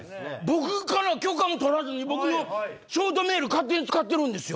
僕から許可も取らずに僕のショートメール勝手に使ってるんですよ。